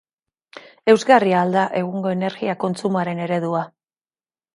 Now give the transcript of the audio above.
Eusgarria al da egungo energia kontsumoaren eredua?